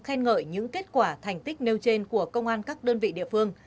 khen ngợi những kết quả thành tích nêu trên của công an các đơn vị địa phương